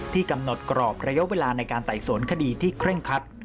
กำหนดกรอบระยะเวลาในการไต่สวนคดีที่เคร่งคัด